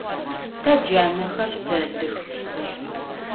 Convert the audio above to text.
Te canexer tedıx.